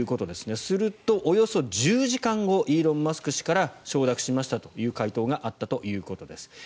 すると、およそ１０時間後イーロン・マスク氏から承諾しましたという回答があったということです。